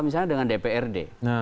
misalnya dengan dprd